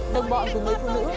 đồng bọn của người phụ nữ